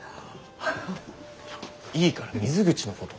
いいから水口のこと。